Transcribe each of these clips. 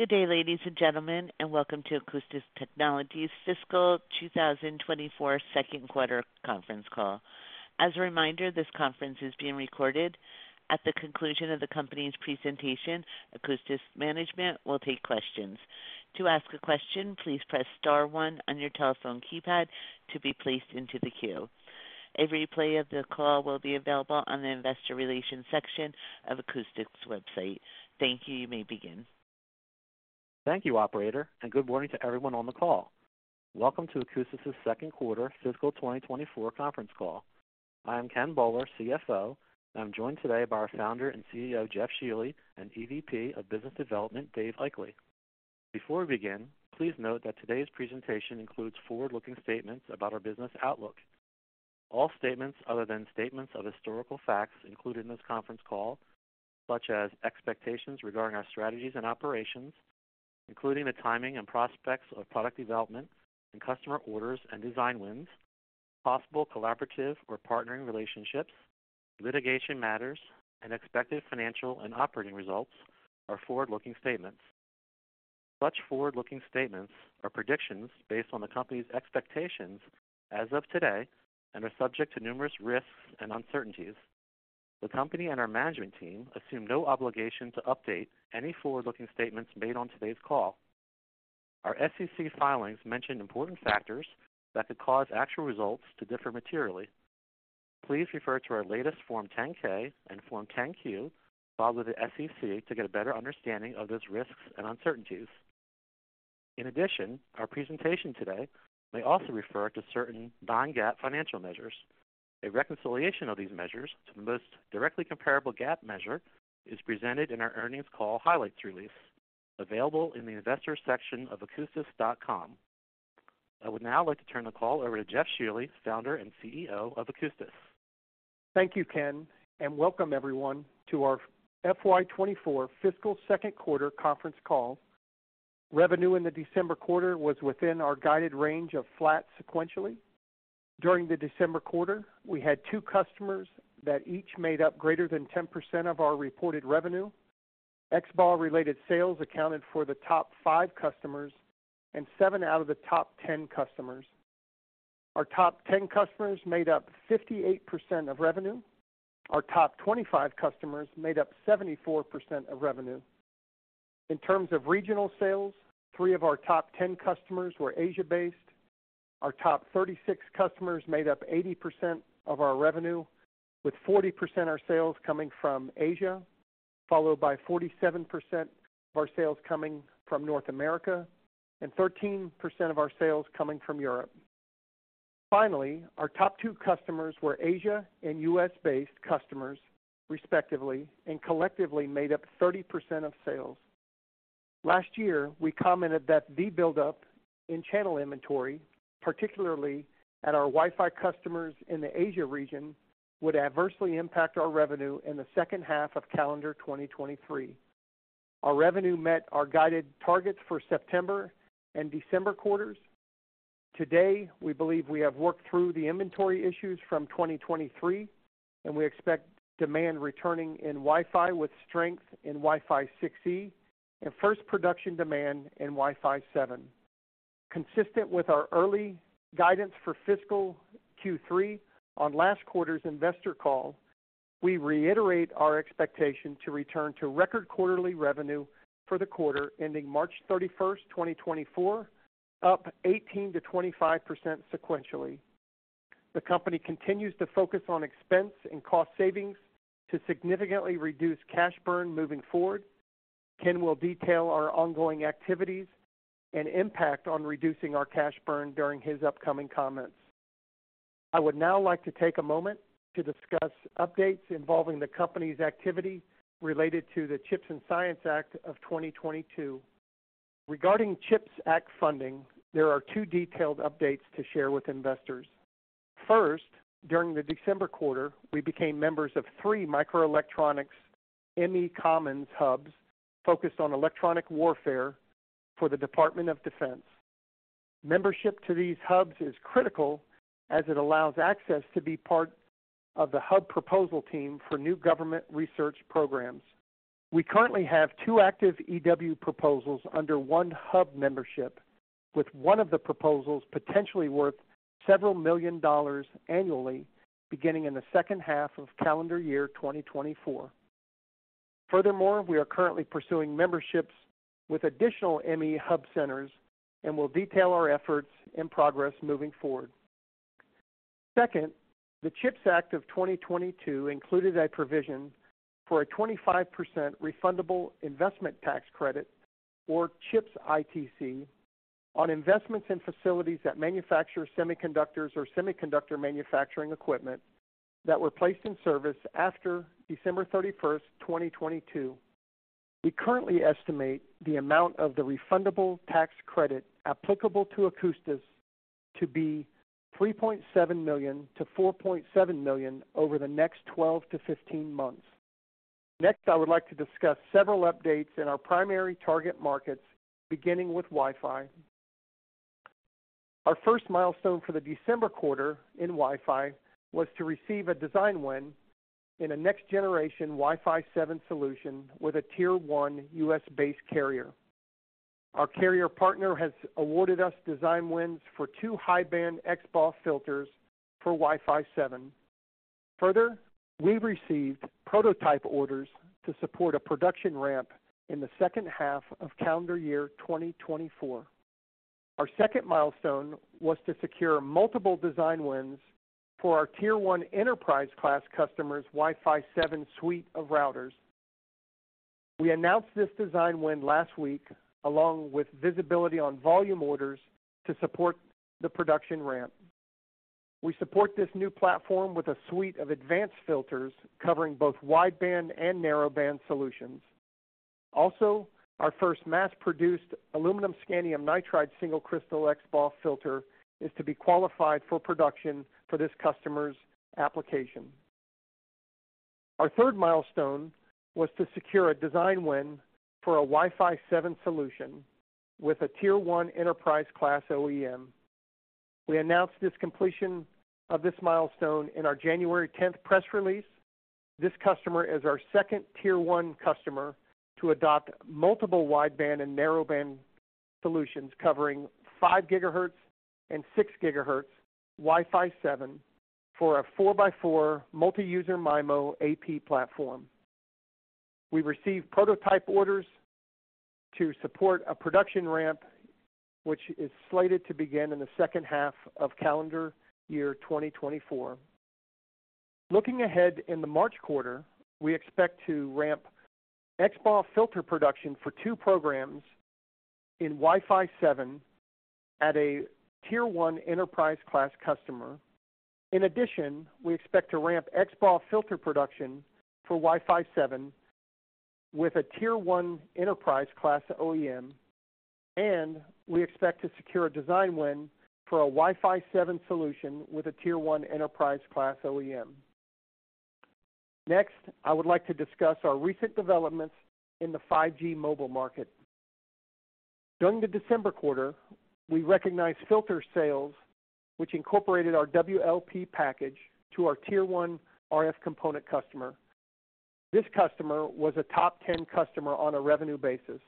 Good day, ladies and gentlemen, and welcome to Akoustis Technologies' fiscal 2024 Q2 conference call. As a reminder, this conference is being recorded. At the conclusion of the company's presentation, Akoustis management will take questions. To ask a question, please press star one on your telephone keypad to be placed into the queue. A replay of the call will be available on the investor relations section of Akoustis' website. Thank you, you may begin. Thank you, operator, and good morning to everyone on the call. Welcome to Akoustis' Q2 fiscal 2024 conference call. I am Ken Boller, CFO, and I'm joined today by our founder and CEO Jeff Shealy and EVP of business development Dave Aichele. Before we begin, please note that today's presentation includes forward-looking statements about our business outlook. All statements other than statements of historical facts included in this conference call, such as expectations regarding our strategies and operations, including the timing and prospects of product development and customer orders and design wins, possible collaborative or partnering relationships, litigation matters, and expected financial and operating results, are forward-looking statements. Such forward-looking statements are predictions based on the company's expectations as of today and are subject to numerous risks and uncertainties. The company and our management team assume no obligation to update any forward-looking statements made on today's call. Our SEC filings mention important factors that could cause actual results to differ materially. Please refer to our latest Form 10-K and Form 10-Q filed with the SEC to get a better understanding of those risks and uncertainties. In addition, our presentation today may also refer to certain non-GAAP financial measures. A reconciliation of these measures to the most directly comparable GAAP measure is presented in our earnings call highlights release, available in the investors section of akoustis.com. I would now like to turn the call over to Jeff Shealy, founder and CEO of Akoustis. Thank you, Ken, and welcome everyone to our FY24 fiscal Q2 conference call. Revenue in the December quarter was within our guided range of flat sequentially. During the December quarter, we had two customers that each made up greater than 10% of our reported revenue. XBAW-related sales accounted for the top five customers and seven out of the top 10 customers. Our top 10 customers made up 58% of revenue. Our top 25 customers made up 74% of revenue. In terms of regional sales, three of our top 10 customers were Asia-based. Our top 36 customers made up 80% of our revenue, with 40% of our sales coming from Asia, followed by 47% of our sales coming from North America and 13% of our sales coming from Europe. Finally, our top two customers were Asia and US-based customers, respectively, and collectively made up 30% of sales. Last year, we commented that the build-up in channel inventory, particularly at our Wi-Fi customers in the Asia region, would adversely impact our revenue in the H2 of calendar 2023. Our revenue met our guided targets for September and December quarters. Today, we believe we have worked through the inventory issues from 2023, and we expect demand returning in Wi-Fi with strength in Wi-Fi 6E and first production demand in Wi-Fi 7. Consistent with our early guidance for fiscal Q3 on last quarter's investor call, we reiterate our expectation to return to record quarterly revenue for the quarter ending March 31st, 2024, up 18%-25% sequentially. The company continues to focus on expense and cost savings to significantly reduce cash burn moving forward. Ken will detail our ongoing activities and impact on reducing our cash burn during his upcoming comments. I would now like to take a moment to discuss updates involving the company's activity related to the CHIPS and Science Act of 2022. Regarding CHIPS Act funding, there are two detailed updates to share with investors. First, during the December quarter, we became members of three microelectronics ME Commons hubs focused on electronic warfare for the Department of Defense. Membership to these hubs is critical as it allows access to be part of the hub proposal team for new government research programs. We currently have two active EW proposals under one hub membership, with one of the proposals potentially worth several million dollars annually beginning in the H2 of calendar year 2024. Furthermore, we are currently pursuing memberships with additional ME hub centers and will detail our efforts and progress moving forward. Second, the CHIPS Act of 2022 included a provision for a 25% refundable investment tax credit, or CHIPS ITC, on investments in facilities that manufacture semiconductors or semiconductor manufacturing equipment that were placed in service after December 31st, 2022. We currently estimate the amount of the refundable tax credit applicable to Akoustis to be $3.7 million-$4.7 million over the next 12 to 15 months. Next, I would like to discuss several updates in our primary target markets, beginning with Wi-Fi. Our first milestone for the December quarter in Wi-Fi was to receive a design win in a next-generation Wi-Fi 7 solution with a Tier 1 US based carrier. Our carrier partner has awarded us design wins for two high-band XBAW filters for Wi-Fi 7. Further, we received prototype orders to support a production ramp in the H2 of calendar year 2024. Our second milestone was to secure multiple design wins for our Tier 1 enterprise-class customers' Wi-Fi 7 suite of routers. We announced this design win last week along with visibility on volume orders to support the production ramp. We support this new platform with a suite of advanced filters covering both wideband and narrowband solutions. Also, our first mass-produced aluminum scandium nitride single crystal XBAW filter is to be qualified for production for this customer's application. Our third milestone was to secure a design win for a Wi-Fi 7 solution with a Tier 1 enterprise-class OEM. We announced this completion of this milestone in our January 10th press release. This customer is our second Tier 1 customer to adopt multiple wideband and narrowband solutions covering 5 GHz and 6 GHz Wi-Fi 7 for a 4x4 multi-user MIMO AP platform. We received prototype orders to support a production ramp, which is slated to begin in the H2 of calendar year 2024. Looking ahead in the March quarter, we expect to ramp XBAW filter production for two programs in Wi-Fi 7 at a Tier 1 enterprise-class customer. In addition, we expect to ramp XBAW filter production for Wi-Fi 7 with a Tier 1 enterprise-class OEM, and we expect to secure a design win for a Wi-Fi 7 solution with a Tier 1 enterprise-class OEM. Next, I would like to discuss our recent developments in the 5G mobile market. During the December quarter, we recognized filter sales, which incorporated our WLP package to our Tier 1 RF component customer. This customer was a top 10 customer on a revenue basis.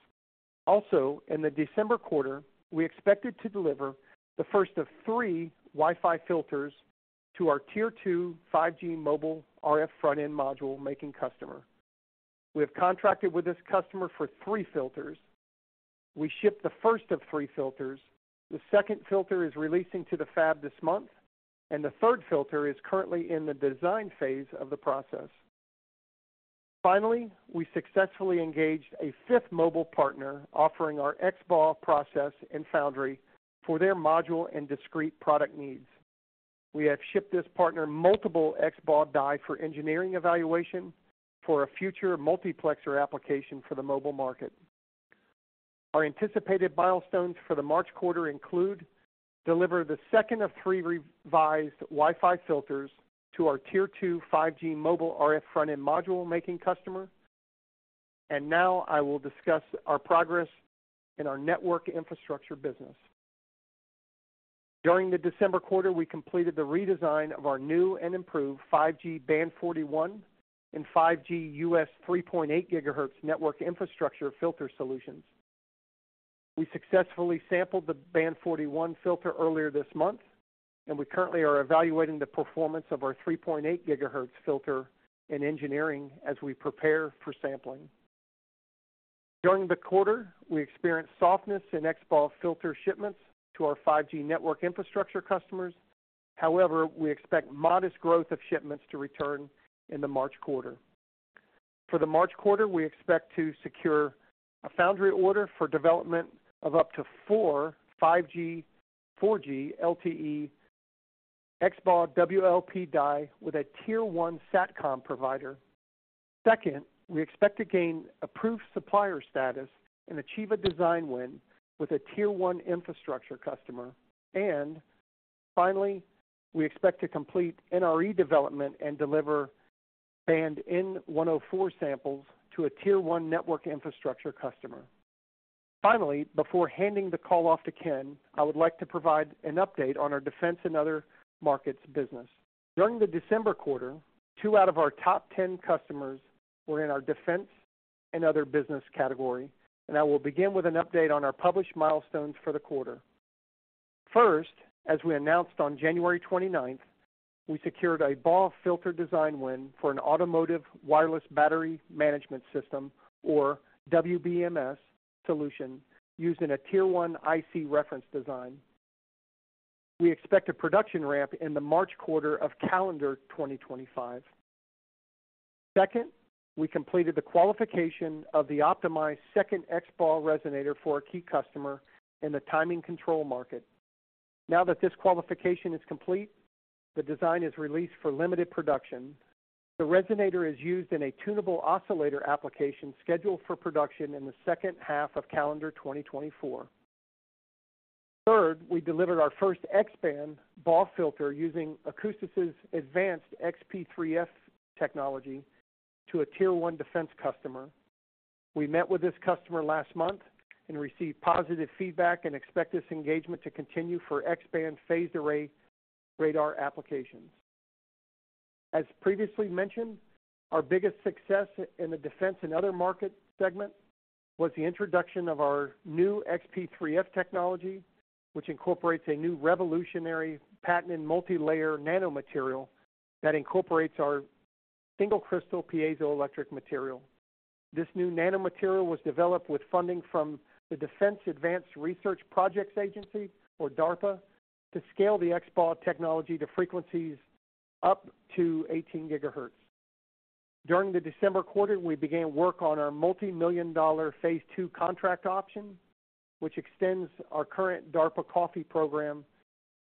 Also, in the December quarter, we expected to deliver the first of three Wi-Fi filters to our Tier 2 5G mobile RF front-end module making customer. We have contracted with this customer for three filters. We shipped the first of three filters. The second filter is releasing to the fab this month, and the third filter is currently in the design phase of the process. Finally, we successfully engaged a fifth mobile partner offering our XBAW process and foundry for their module and discrete product needs. We have shipped this partner multiple XBAW die for engineering evaluation for a future multiplexer application for the mobile market. Our anticipated milestones for the March quarter include deliver the second of three revised Wi-Fi filters to our Tier 2 5G mobile RF front-end module making customer, and now I will discuss our progress in our network infrastructure business. During the December quarter, we completed the redesign of our new and improved 5G Band 41 and 5G US 3.8 GHz network infrastructure filter solutions. We successfully sampled the Band 41 filter earlier this month, and we currently are evaluating the performance of our 3.8 GHz filter in engineering as we prepare for sampling. During the quarter, we experienced softness in XBAW filter shipments to our 5G network infrastructure customers. However, we expect modest growth of shipments to return in the March quarter. For the March quarter, we expect to secure a foundry order for development of up to four 5G/4G LTE XBAW WLP die with a Tier 1 SATCOM provider. Second, we expect to gain approved supplier status and achieve a design win with a Tier 1 infrastructure customer. And finally, we expect to complete NRE development and deliver Band n104 samples to a Tier 1 network infrastructure customer. Finally, before handing the call off to Ken, I would like to provide an update on our defense and other markets business. During the December quarter, two out of our top 10 customers were in our defense and other business category, and I will begin with an update on our published milestones for the quarter. First, as we announced on January 29th, we secured a BAW filter design win for an automotive wireless battery management system, or WBMS, solution used in a Tier 1 IC reference design. We expect a production ramp in the March quarter of calendar 2025. Second, we completed the qualification of the optimized second XBAW resonator for a key customer in the timing control market. Now that this qualification is complete, the design is released for limited production. The resonator is used in a tunable oscillator application scheduled for production in the H2 of calendar 2024. Third, we delivered our first X-band BAW filter using Akoustis's advanced XP3F technology to a Tier 1 defense customer. We met with this customer last month and received positive feedback and expect this engagement to continue for X-band phased array radar applications. As previously mentioned, our biggest success in the defense and other market segment was the introduction of our new XP3F technology, which incorporates a new revolutionary patented multi-layer nanomaterial that incorporates our single crystal piezoelectric material. This new nanomaterial was developed with funding from the Defense Advanced Research Projects Agency, or DARPA, to scale the XBAW technology to frequencies up to 18 GHz. During the December quarter, we began work on our multi-million dollar phase II contract option, which extends our current DARPA COFFEE program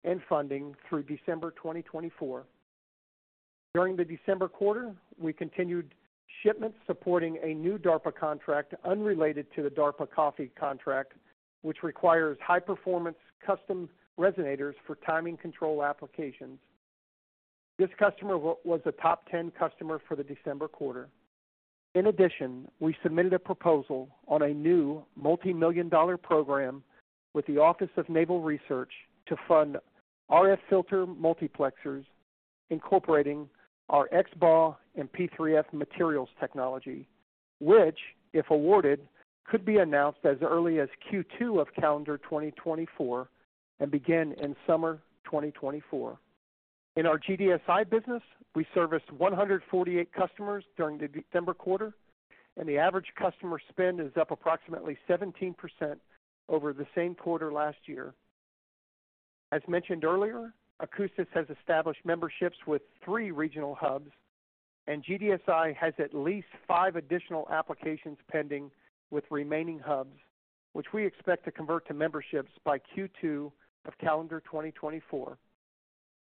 and funding through December 2024. During the December quarter, we continued shipments supporting a new DARPA contract unrelated to the DARPA COFFEE contract, which requires high-performance custom resonators for timing control applications. This customer was a top 10 customer for the December quarter. In addition, we submitted a proposal on a new multi-million dollar program with the Office of Naval Research to fund RF filter multiplexers incorporating our XBAW XP3F materials technology, which, if awarded, could be announced as early as Q2 of calendar 2024 and begin in summer 2024. In our GDSI business, we serviced 148 customers during the December quarter, and the average customer spend is up approximately 17% over the same quarter last year. As mentioned earlier, Akoustis has established memberships with three regional hubs, and GDSI has at least five additional applications pending with remaining hubs, which we expect to convert to memberships by Q2 of calendar 2024.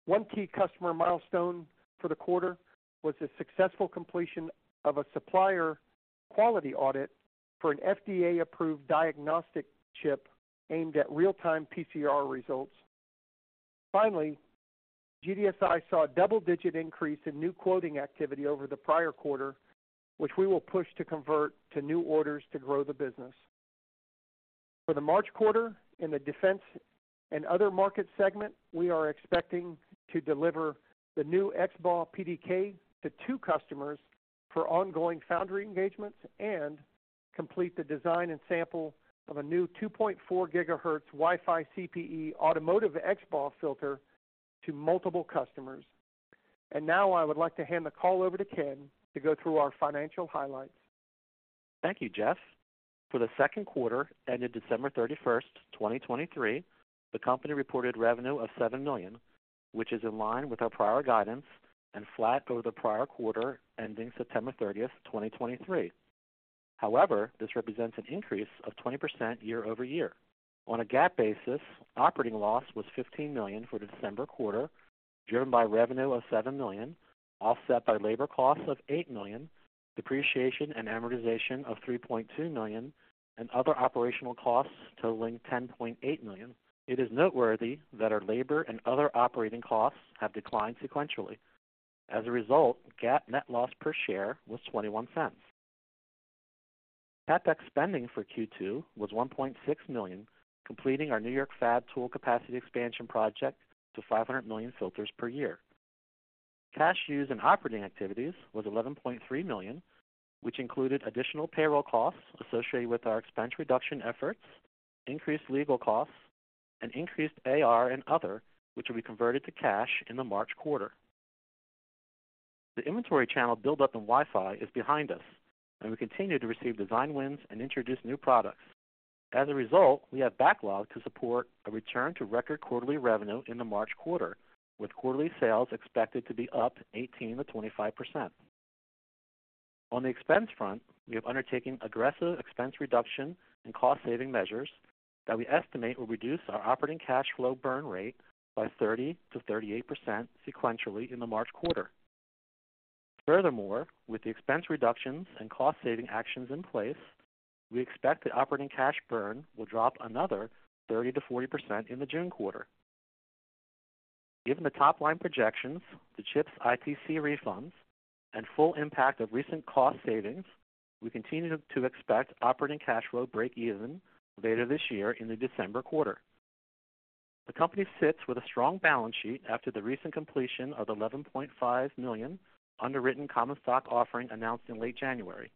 One key customer milestone for the quarter was the successful completion of a supplier quality audit for an FDA-approved diagnostic chip aimed at real-time PCR results. Finally, GDSI saw a double-digit increase in new quoting activity over the prior quarter, which we will push to convert to new orders to grow the business. For the March quarter, in the defense and other market segment, we are expecting to deliver the new XBAW PDK to two customers for ongoing foundry engagements and complete the design and sample of a new 2.4 GHz Wi-Fi CPE automotive XBAW filter to multiple customers. Now I would like to hand the call over to Ken to go through our financial highlights. Thank you, Jeff. For the Q2 ended December 31st, 2023, the company reported revenue of $7 million, which is in line with our prior guidance and flat over the prior quarter ending September 30th, 2023. However, this represents an increase of 20% year-over-year. On a GAAP basis, operating loss was $15 million for the December quarter, driven by revenue of $7 million, offset by labor costs of $8 million, depreciation and amortization of $3.2 million, and other operational costs totaling $10.8 million. It is noteworthy that our labor and other operating costs have declined sequentially. As a result, GAAP net loss per share was $0.21. CapEx spending for Q2 was $1.6 million, completing our New York fab tool capacity expansion project to 500 million filters per year. Cash used in operating activities was $11.3 million, which included additional payroll costs associated with our expense reduction efforts, increased legal costs, and increased AR and other, which will be converted to cash in the March quarter. The inventory channel build-up in Wi-Fi is behind us, and we continue to receive design wins and introduce new products. As a result, we have backlog to support a return to record quarterly revenue in the March quarter, with quarterly sales expected to be up 18%-25%. On the expense front, we have undertaken aggressive expense reduction and cost-saving measures that we estimate will reduce our operating cash flow burn rate by 30%-38% sequentially in the March quarter. Furthermore, with the expense reductions and cost-saving actions in place, we expect the operating cash burn will drop another 30%-40% in the June quarter. Given the top-line projections, the CHIPS ITC refunds, and full impact of recent cost savings, we continue to expect operating cash flow break-even later this year in the December quarter. The company sits with a strong balance sheet after the recent completion of the 11.5 million underwritten common stock offering announced in late January.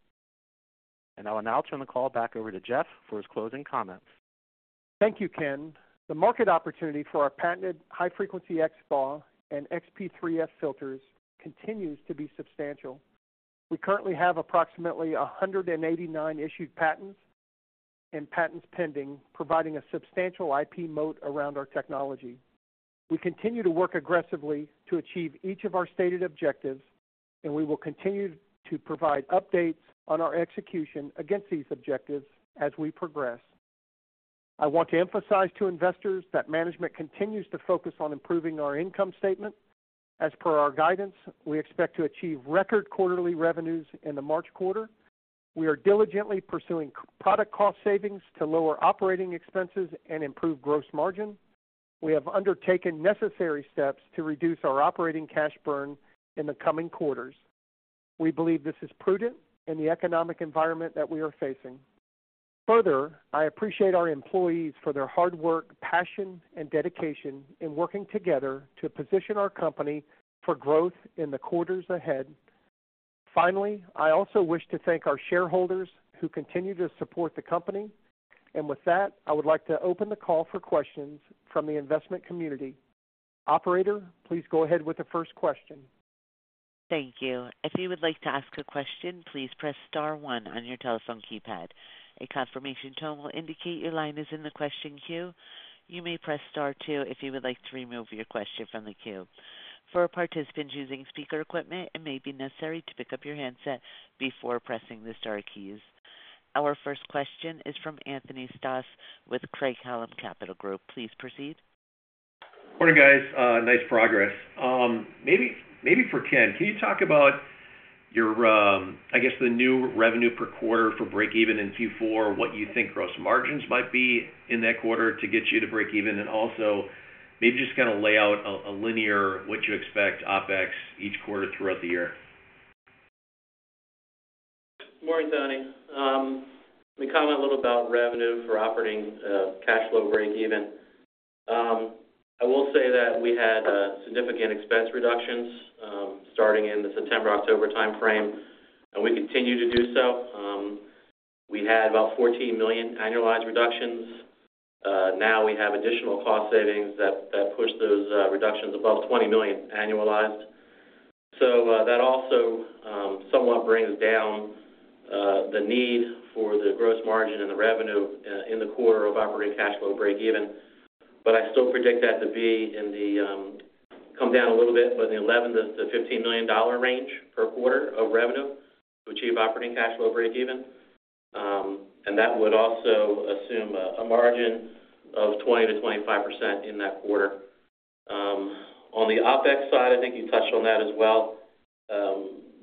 I will now turn the call back over to Jeff for his closing comments. Thank you, Ken. The market opportunity for our patented high-frequency XBAW and XP3F filters continues to be substantial. We currently have approximately 189 issued patents and patents pending, providing a substantial IP moat around our technology. We continue to work aggressively to achieve each of our stated objectives, and we will continue to provide updates on our execution against these objectives as we progress. I want to emphasize to investors that management continues to focus on improving our income statement. As per our guidance, we expect to achieve record quarterly revenues in the March quarter. We are diligently pursuing product cost savings to lower operating expenses and improve gross margin. We have undertaken necessary steps to reduce our operating cash burn in the coming quarters. We believe this is prudent in the economic environment that we are facing. Further, I appreciate our employees for their hard work, passion, and dedication in working together to position our company for growth in the quarters ahead. Finally, I also wish to thank our shareholders who continue to support the company. And with that, I would like to open the call for questions from the investment community. Operator, please go ahead with the first question. Thank you. If you would like to ask a question, please press star one on your telephone keypad. A confirmation tone will indicate your line is in the question queue. You may press star two if you would like to remove your question from the queue. For participants using speaker equipment, it may be necessary to pick up your handset before pressing the star keys. Our first question is from Anthony Stoss with Craig-Hallum Capital Group. Please proceed. Morning, guys. Nice progress. Maybe for Ken, can you talk about, I guess, the new revenue per quarter for break-even in Q4, what you think gross margins might be in that quarter to get you to break-even, and also maybe just kind of lay out a linear what you expect OpEx each quarter throughout the year? Morning, Tony. Let me comment a little about revenue for operating cash flow break-even. I will say that we had significant expense reductions starting in the September/October timeframe, and we continue to do so. We had about $14 million annualized reductions. Now we have additional cost savings that push those reductions above $20 million annualized. So that also somewhat brings down the need for the gross margin and the revenue in the quarter of operating cash flow break-even. But I still predict that to be in the come down a little bit, but in the $11 million-$15 million range per quarter of revenue to achieve operating cash flow break-even. And that would also assume a margin of 20%-25% in that quarter. On the OpEx side, I think you touched on that as well.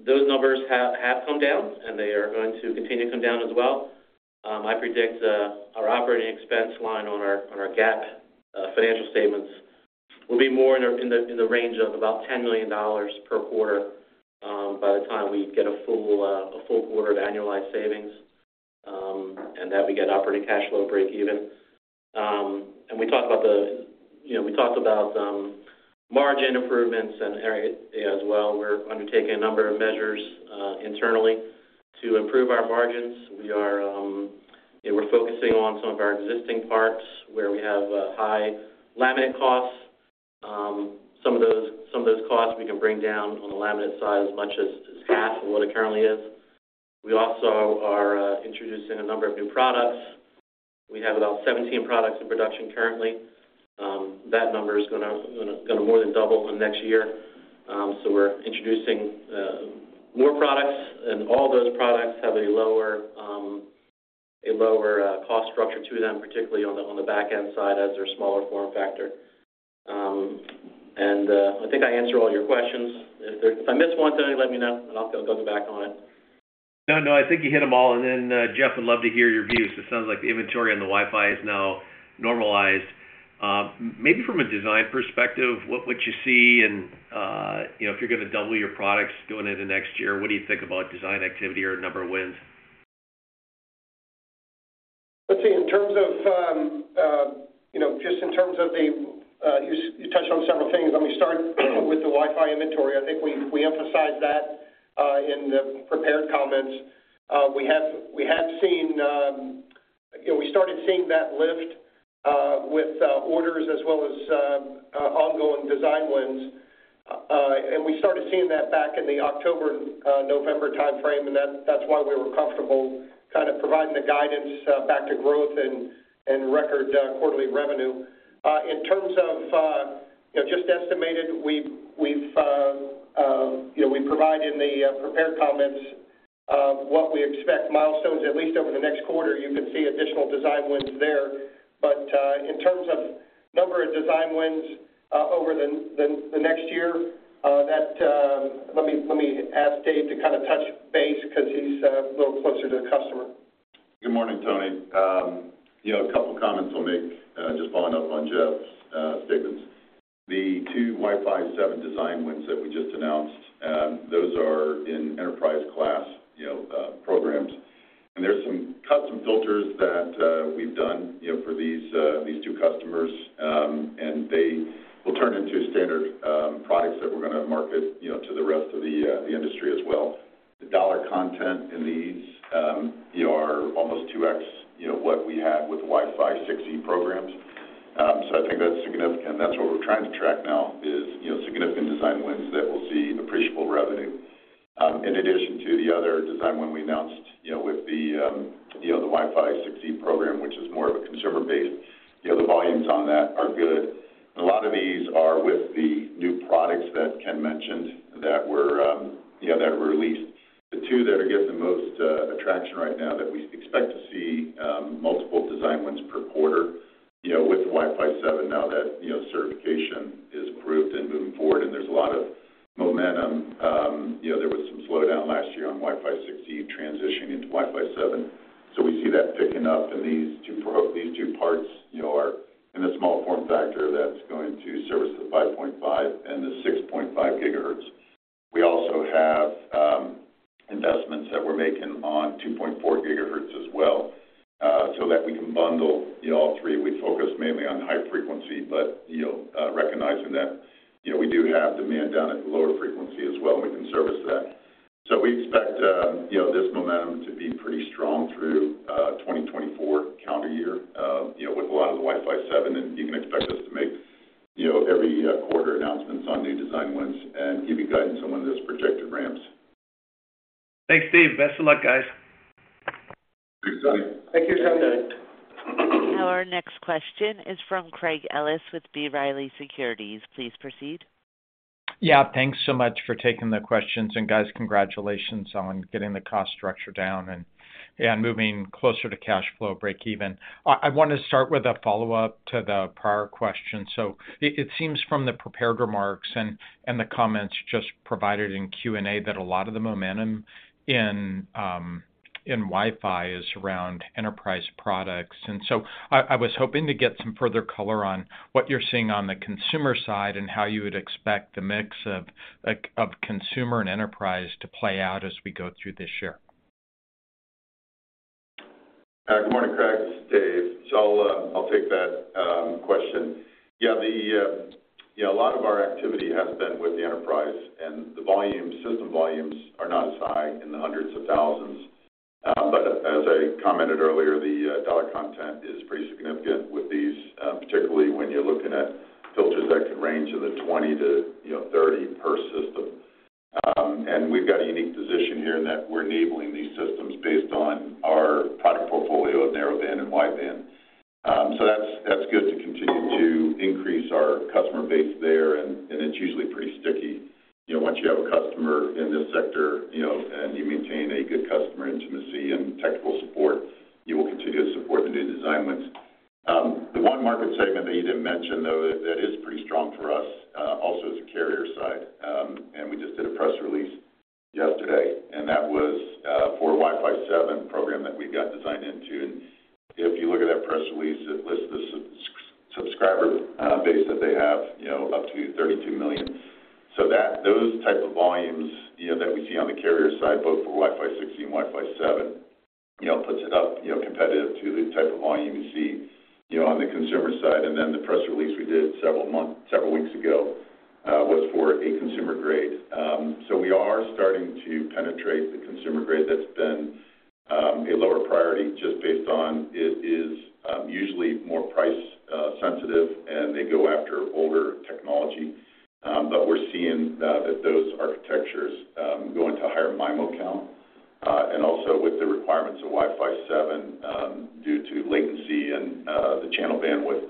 Those numbers have come down, and they are going to continue to come down as well. I predict our operating expense line on our GAAP financial statements will be more in the range of about $10 million per quarter by the time we get a full quarter of annualized savings and that we get operating cash flow break-even. We talked about margin improvements and area as well. We're undertaking a number of measures internally to improve our margins. We're focusing on some of our existing parts where we have high laminate costs. Some of those costs we can bring down on the laminate side as much as half of what it currently is. We also are introducing a number of new products. We have about 17 products in production currently. That number is going to more than double in next year. We're introducing more products, and all those products have a lower cost structure to them, particularly on the backend side as they're a smaller form factor. I think I answered all your questions. If I miss one, Tony, let me know, and I'll go back on it. No, no. I think you hit them all. And then, Jeff, would love to hear your view. So it sounds like the inventory on the Wi-Fi is now normalized. Maybe from a design perspective, what would you see? And if you're going to double your products going into next year, what do you think about design activity or a number of wins? Let's see. In terms of just in terms of the things you touched on several things. Let me start with the Wi-Fi inventory. I think we emphasized that in the prepared comments. We have seen we started seeing that lift with orders as well as ongoing design wins. And we started seeing that back in the October, November timeframe, and that's why we were comfortable kind of providing the guidance back to growth and record quarterly revenue. In terms of just estimated, we've provided in the prepared comments what we expect milestones, at least over the next quarter. You can see additional design wins there. But in terms of number of design wins over the next year, that, let me ask Dave to kind of touch base because he's a little closer to the customer. Good morning, Tony. A couple of comments I'll make just following up on Jeff's statements. The two Wi-Fi 7 design wins that we just announced, those are in enterprise-class programs. And there's some custom filters that we've done for these two customers, and they will turn into standard products that we're going to market to the rest of the industry as well. The dollar content in these are almost 2x what we had with the Wi-Fi 6E programs. So I think that's significant. That's what we're trying to track now, is significant design wins that we'll see appreciable revenue. In addition to the other design win we announced with the Wi-Fi 6E program, which is more of a consumer-based, the volumes on that are good. And a lot of these are with the new products that Ken mentioned that were released. The two that are getting the most attraction right now, that we expect to see multiple design wins per quarter with Wi-Fi 7 now that certification is approved and moving forward, and there's a lot of momentum. There was some slowdown last year on Wi-Fi 6E transitioning into Wi-Fi 7. So we see that picking up. And these two parts are in the small form factor that's going to service the 5.5 and the 6.5 GHz. We also have investments that we're making on 2.4 GHz as well so that we can bundle all three. We focus mainly on high frequency, but recognizing that we do have demand down at the lower frequency as well, and we can service that. So we expect this momentum to be pretty strong through 2024 calendar year with a lot of the Wi-Fi 7. You can expect us to make every quarter announcements on new design wins and give you guidance on when those production ramps. Thanks, Dave. Best of luck, guys. Thanks, Tony. Thank you, Tony. Our next question is from Craig Ellis with B. Riley Securities. Please proceed. Yeah. Thanks so much for taking the questions. And guys, congratulations on getting the cost structure down and moving closer to cash flow break-even. I want to start with a follow-up to the prior question. So it seems from the prepared remarks and the comments just provided in Q&A that a lot of the momentum in Wi-Fi is around enterprise products. And so I was hoping to get some further color on what you're seeing on the consumer side and how you would expect the mix of consumer and enterprise to play out as we go through this year. Good morning, Craig. This is Dave. So I'll take that question. Yeah, a lot of our activity has been with the enterprise, and the system volumes are not as high in the hundreds of thousands. But as I commented earlier, the dollar content is pretty significant with these, particularly when you're looking at filters that could range in the 20 to 30 per system. And we've got a unique position here in that we're enabling these systems based on our product portfolio of narrowband and wideband. So that's good to continue to increase our customer base there, and it's usually pretty sticky. Once you have a customer in this sector and you maintain a good customer intimacy and technical support, you will continue to support the new design wins. The one market segment that you didn't mention, though, that is pretty strong for us also is the carrier side. And we just did a press release yesterday, and that was for a Wi-Fi 7 program that we got designed into. And if you look at that press release, it lists the subscriber base that they have up to 32 million. So those types of volumes that we see on the carrier side, both for Wi-Fi 6E and Wi-Fi 7, puts it up competitive to the type of volume you see on the consumer side. And then the press release we did several weeks ago was for a consumer grade. So we are starting to penetrate the consumer grade that's been a lower priority just based on it is usually more price-sensitive, and they go after older technology. But we're seeing that those architectures go into higher MIMO count. And also with the requirements of Wi-Fi 7 due to latency and the channel bandwidth,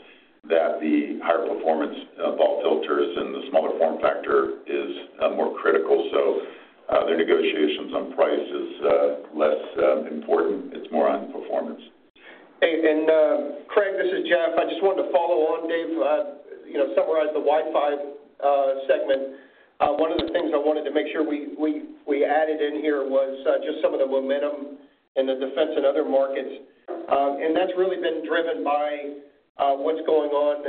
that the higher performance BAW filters and the smaller form factor is more critical. So their negotiations on price is less important. It's more on performance. Hey. And Craig, this is Jeff. I just wanted to follow on, Dave, summarize the Wi-Fi segment. One of the things I wanted to make sure we added in here was just some of the momentum in the defense and other markets. And that's really been driven by what's going on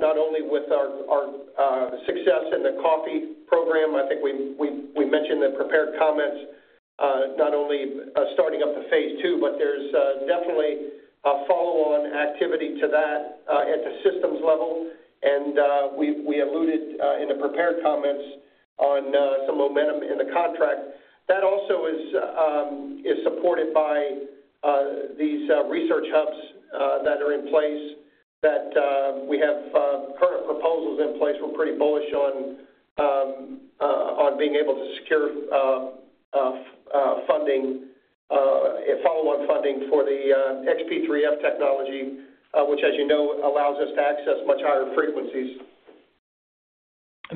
not only with our success in the COFFEE program. I think we mentioned the prepared comments, not only starting up the phase II, but there's definitely a follow-on activity to that at the systems level. And we alluded in the prepared comments on some momentum in the contract. That also is supported by these research hubs that are in place, that we have current proposals in place. We're pretty bullish on being able to secure follow-on funding for the XP3F technology, which, as you know, allows us to access much higher frequencies.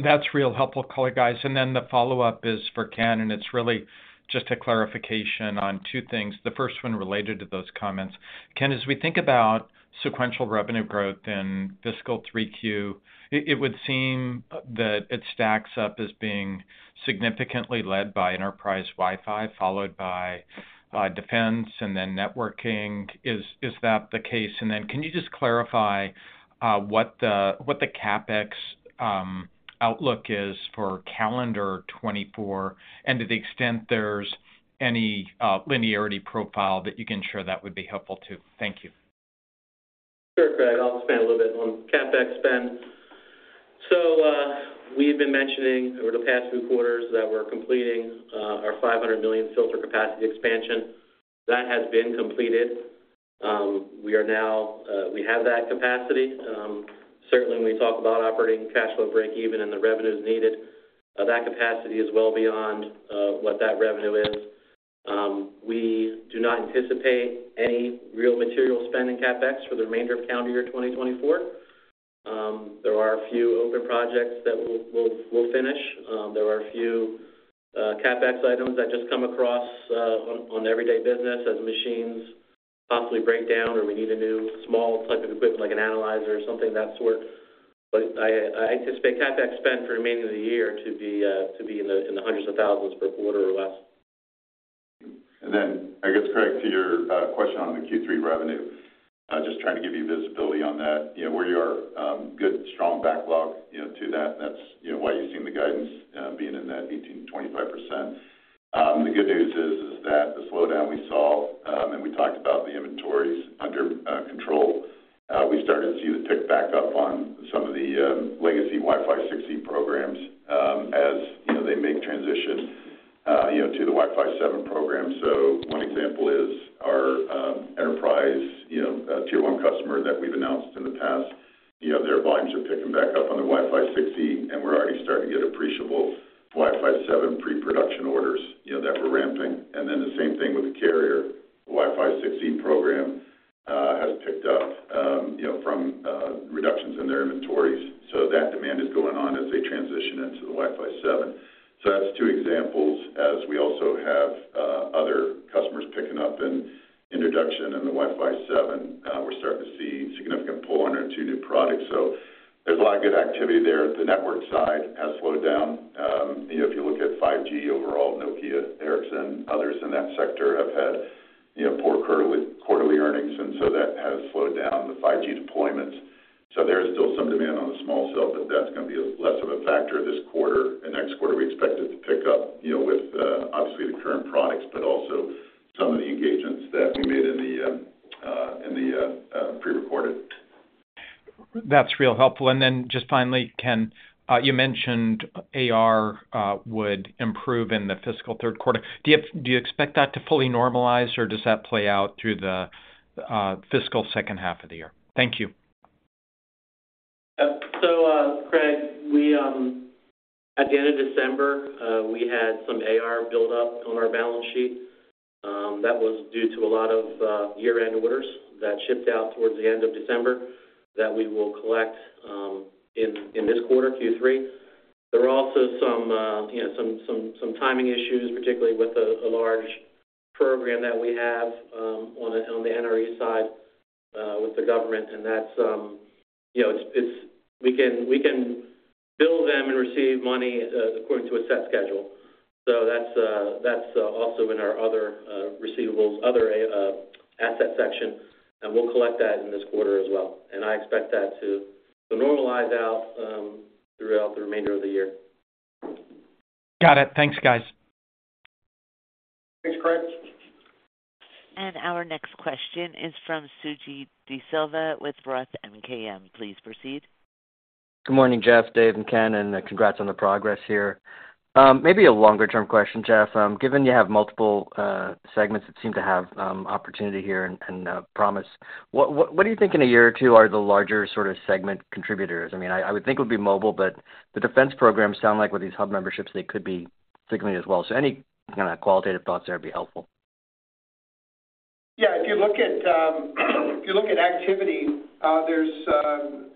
That's real helpful, guys. And then the follow-up is for Ken, and it's really just a clarification on two things. The first one related to those comments. Ken, as we think about sequential revenue growth in fiscal Q3, it would seem that it stacks up as being significantly led by enterprise Wi-Fi, followed by defense and then networking. Is that the case? And then can you just clarify what the CapEx outlook is for calendar 2024 and to the extent there's any linearity profile that you can share that would be helpful too? Thank you. Sure, Craig. I'll expand a little bit on CapEx spend. We've been mentioning over the past few quarters that we're completing our 500 million filter capacity expansion. That has been completed. We have that capacity. Certainly, when we talk about operating cash flow break-even and the revenues needed, that capacity is well beyond what that revenue is. We do not anticipate any real material spending CapEx for the remainder of calendar year 2024. There are a few open projects that we'll finish. There are a few CapEx items that just come across on everyday business as machines possibly break down or we need a new small type of equipment like an analyzer or something of that sort. I anticipate CapEx spend for the remainder of the year to be in the hundreds of thousands per quarter or less. And then, I guess, Craig, to your question on the Q3 revenue, just trying to give you visibility on that, where you are good, strong backlog to that, that's why you've seen the guidance being in that 18%-25%. The good news is that the slowdown we saw, and we talked about the inventories under control, we started to see the tick back up on some of the legacy Wi-Fi 6E programs as they make transition to the Wi-Fi 7 program. So one example is our enterprise Tier one customer that we've announced in the past. Their volumes are picking back up on the Wi-Fi 6E, and we're already starting to get appreciable Wi-Fi 7 pre-production orders that we're ramping. And then the same thing with the carrier. The Wi-Fi 6E program has picked up from reductions in their inventories. So that demand is going on as they transition into the Wi-Fi 7. So that's two examples. As we also have other customers picking up in introduction in the Wi-Fi 7, we're starting to see significant pull on our two new products. So there's a lot of good activity there. The network side has slowed down. If you look at 5G overall, Nokia, Ericsson, others in that sector have had poor quarterly earnings, and so that has slowed down the 5G deployments. So there's still some demand on the small cell, but that's going to be less of a factor this quarter. And next quarter, we expect it to pick up with, obviously, the current products, but also some of the engagements that we made in the pre-recorded. That's real helpful. Then just finally, Ken, you mentioned AR would improve in the fiscal third quarter. Do you expect that to fully normalize, or does that play out through the fiscal H2 of the year? Thank you. So, Craig, at the end of December, we had some AR build-up on our balance sheet. That was due to a lot of year-end orders that shipped out toward the end of December that we will collect in this quarter, Q3. There were also some timing issues, particularly with a large program that we have on the NRE side with the government. And we can bill them and receive money according to a set schedule. So that's also in our other receivables, other asset section, and we'll collect that in this quarter as well. And I expect that to normalize out throughout the remainder of the year. Got it. Thanks, guys. Thanks, Craig. Our next question is from Suji Desilva with Roth MKM. Please proceed. Good morning, Jeff, Dave, and Ken, and congrats on the progress here. Maybe a longer-term question, Jeff. Given you have multiple segments that seem to have opportunity here and promise, what do you think in a year or two are the larger sort of segment contributors? I mean, I would think it would be mobile, but the defense programs sound like with these hub memberships, they could be signaling as well. So any kind of qualitative thoughts there would be helpful. Yeah. If you look at activity, there's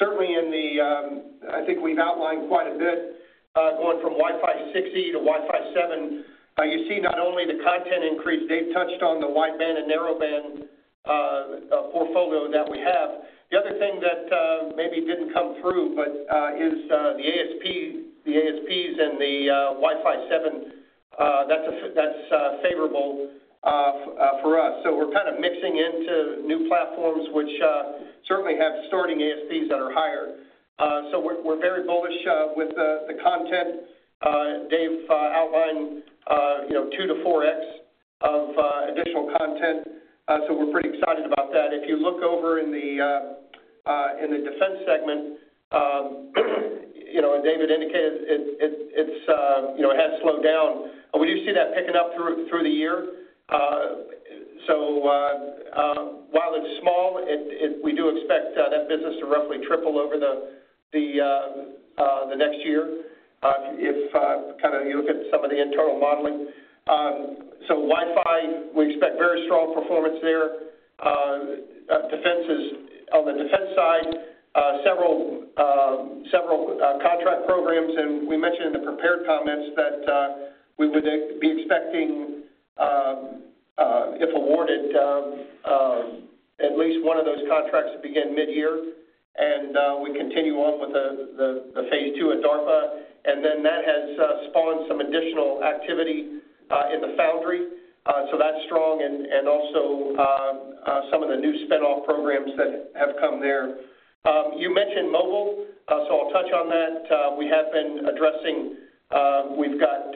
certainly. I think we've outlined quite a bit going from Wi-Fi 6E to Wi-Fi 7. You see not only the content increase. Dave touched on the wideband and narrowband portfolio that we have. The other thing that maybe didn't come through, but is the ASPs and the Wi-Fi 7, that's favorable for us. So we're kind of mixing into new platforms, which certainly have starting ASPs that are higher. So we're very bullish with the content. Dave outlined 2 to 4x of additional content, so we're pretty excited about that. If you look over in the defense segment, David indicated it has slowed down. We do see that picking up through the year. So while it's small, we do expect that business to roughly triple over the next year if kind of you look at some of the internal modeling. So Wi-Fi, we expect very strong performance there. On the defense side, several contract programs, and we mentioned in the prepared comments that we would be expecting, if awarded, at least one of those contracts to begin mid-year. And we continue on with the phase II at DARPA. And then that has spawned some additional activity in the foundry. So that's strong and also some of the new spinoff programs that have come there. You mentioned mobile, so I'll touch on that. We have been addressing we've got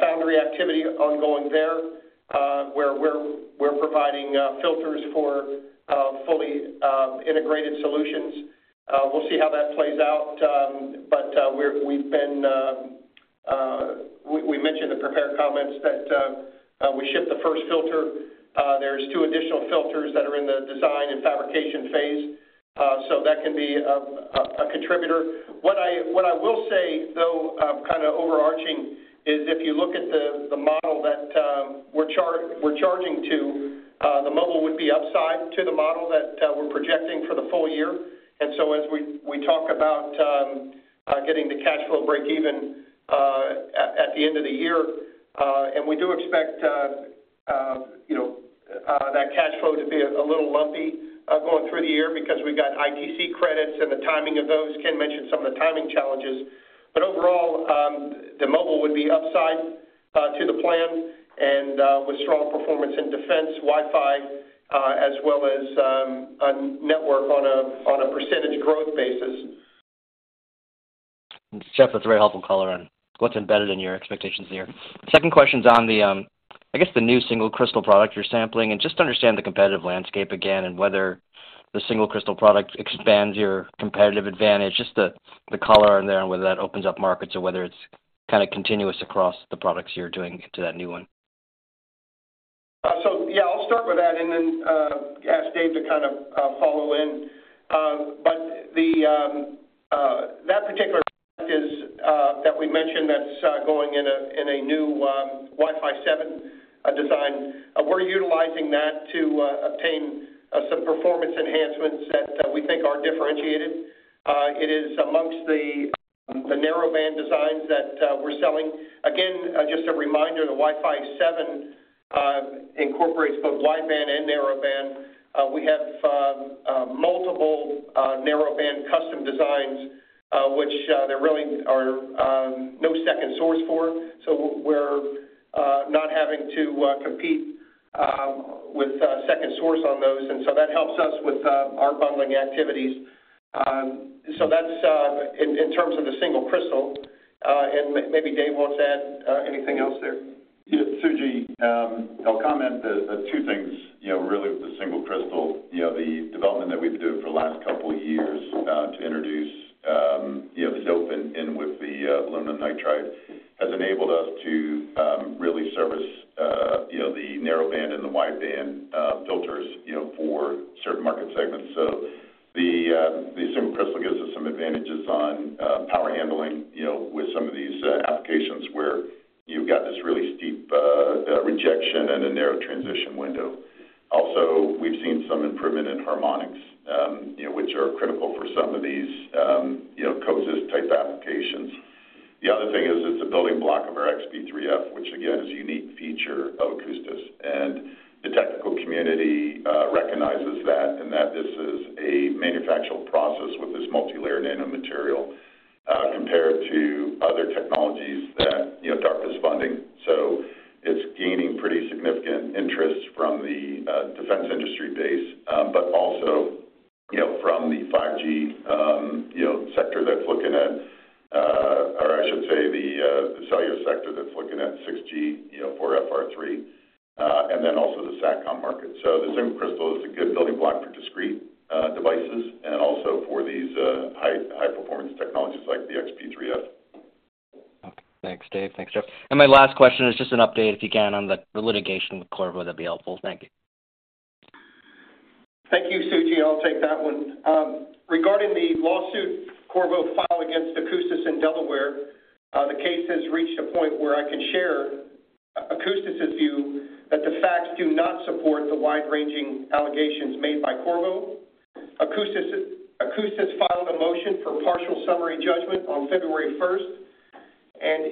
foundry activity ongoing there where we're providing filters for fully integrated solutions. We'll see how that plays out. But we mentioned in the prepared comments that we shipped the first filter. There's two additional filters that are in the design and fabrication phase, so that can be a contributor. What I will say, though, kind of overarching, is if you look at the model that we're charging to, the mobile would be upside to the model that we're projecting for the full year. And so as we talk about getting the cash flow break-even at the end of the year, and we do expect that cash flow to be a little lumpy going through the year because we've got ITC credits and the timing of those. Ken mentioned some of the timing challenges. But overall, the mobile would be upside to the plan with strong performance in defense, Wi-Fi, as well as a network on a percentage growth basis. Jeff, that's a very helpful color on what's embedded in your expectations here. Second question's on, I guess, the new single crystal product you're sampling and just to understand the competitive landscape again and whether the single crystal product expands your competitive advantage, just the color on there on whether that opens up markets or whether it's kind of continuous across the products you're doing into that new one. So yeah, I'll start with that and then ask Dave to kind of follow in. But that particular product that we mentioned that's going in a new Wi-Fi 7 design, we're utilizing that to obtain some performance enhancements that we think are differentiated. It is amongst the narrowband designs that we're selling. Again, just a reminder, the Wi-Fi 7 incorporates both wideband and narrowband. We have multiple narrowband custom designs, which there really are no second source for. So we're not having to compete with second source on those. And so that helps us with our bundling activities. So that's in terms of the single crystal. And maybe Dave wants to add anything else there. Suji, I'll comment on two things, really, with the single crystal. The development that we've been doing for the last couple of years to introduce silicon in with the aluminum nitride has enabled us to really service the narrowband and the wideband filters for certain market segments. So the single crystal gives us some advantages on power handling with some of these applications where you've got this really steep rejection and a narrow transition window. Also, we've seen some improvement in harmonics, which are critical for some of these coexist-type applications. The other thing is it's a building block of our XP3F, which, again, is a unique feature of Akoustis. And the technical community recognizes that and that this is a manufacturable process with this multilayer nanomaterial compared to other technologies that DARPA is funding. So it's gaining pretty significant interest from the defense industry base, but also from the 5G sector that's looking at or I should say the cellular sector that's looking at 6G, FR3, and then also the SATCOM market. So the single crystal is a good building block for discrete devices and also for these high-performance technologies like the XP3F. Okay. Thanks, Dave. Thanks, Jeff. My last question is just an update, if you can, on the litigation with Qorvo. That'd be helpful. Thank you. Thank you, Suji. I'll take that one. Regarding the lawsuit Qorvo filed against Akoustis in Delaware, the case has reached a point where I can share Akoustis's view that the facts do not support the wide-ranging allegations made by Qorvo. Akoustis filed a motion for partial summary judgment on February 1st.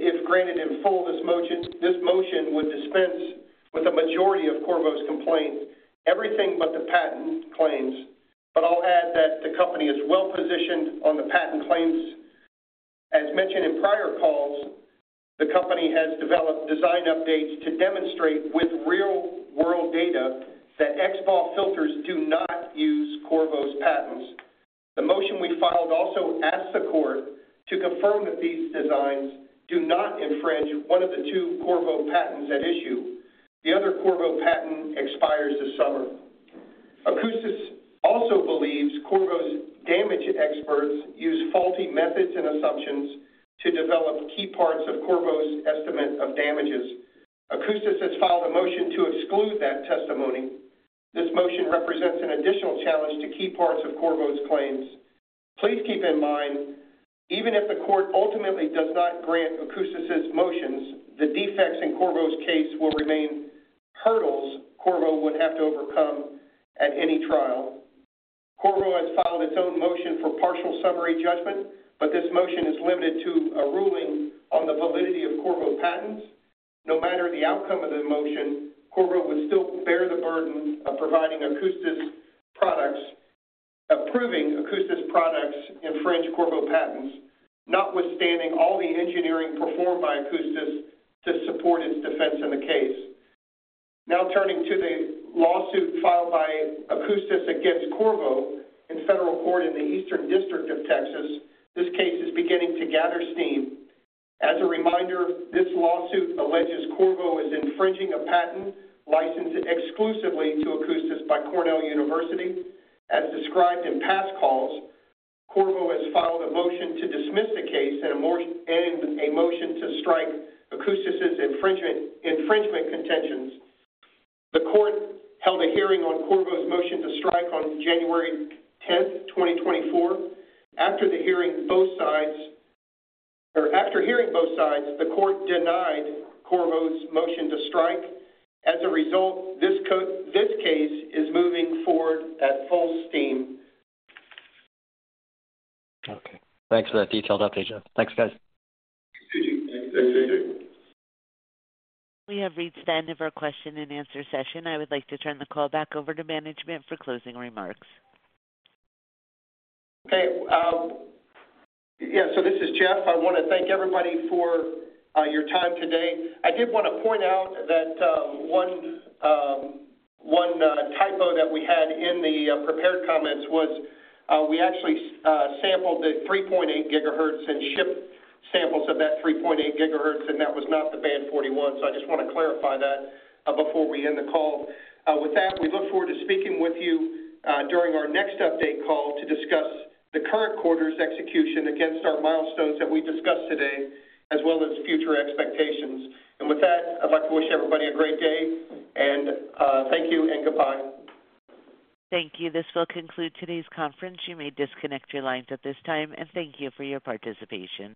If granted in full, this motion would dispense with a majority of Qorvo's complaint, everything but the patent claims. I'll add that the company is well-positioned on the patent claims. As mentioned in prior calls, the company has developed design updates to demonstrate with real-world data that XBAW filters do not use Qorvo's patents. The motion we filed also asked the court to confirm that these designs do not infringe one of the two Qorvo patents at issue. The other Qorvo patent expires this summer. Akoustis also believes Qorvo's damage experts use faulty methods and assumptions to develop key parts of Qorvo's estimate of damages. Akoustis has filed a motion to exclude that testimony. This motion represents an additional challenge to key parts of Qorvo's claims. Please keep in mind, even if the court ultimately does not grant Akoustis's motions, the defects in Qorvo's case will remain hurdles Qorvo would have to overcome at any trial. Qorvo has filed its own motion for partial summary judgment, but this motion is limited to a ruling on the validity of Qorvo patents. No matter the outcome of the motion, Qorvo would still bear the burden of proving that Akoustis products infringe Qorvo patents, notwithstanding all the engineering performed by Akoustis to support its defense in the case. Now turning to the lawsuit filed by Akoustis against Qorvo in federal court in the Eastern District of Texas, this case is beginning to gather steam. As a reminder, this lawsuit alleges Qorvo is infringing a patent licensed exclusively to Akoustis by Cornell University. As described in past calls, Qorvo has filed a motion to dismiss the case and a motion to strike Akoustis's infringement contentions. The court held a hearing on Qorvo's motion to strike on January 10th, 2024. After hearing both sides, the court denied Qorvo's motion to strike. As a result, this case is moving forward at full steam. Okay. Thanks for that detailed update, Jeff. Thanks, guys. Suji, thanks. Thanks, Suji. We have reached the end of our question and answer session. I would like to turn the call back over to management for closing remarks. Okay. Yeah. So this is Jeff. I want to thank everybody for your time today. I did want to point out that one typo that we had in the prepared comments was we actually sampled the 3.8 GHz and shipped samples of that 3.8 GHz, and that was not the Band 41. So I just want to clarify that before we end the call. With that, we look forward to speaking with you during our next update call to discuss the current quarter's execution against our milestones that we discussed today, as well as future expectations. And with that, I'd like to wish everybody a great day. And thank you and goodbye. Thank you. This will conclude today's conference. You may disconnect your lines at this time. Thank you for your participation.